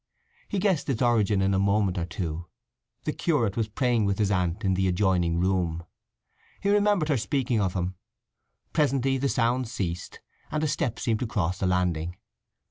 He guessed its origin in a moment or two; the curate was praying with his aunt in the adjoining room. He remembered her speaking of him. Presently the sounds ceased, and a step seemed to cross the landing.